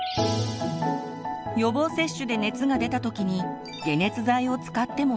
予防接種で熱が出たときに解熱剤を使ってもいいの？